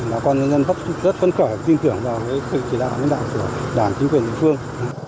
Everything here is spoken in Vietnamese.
và con dân rất phân khởi tin tưởng vào cái kỳ đạo của đảng chính quyền địa phương